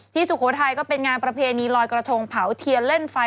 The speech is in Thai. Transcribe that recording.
สุโขทัยก็เป็นงานประเพณีลอยกระทงเผาเทียนเล่นไฟ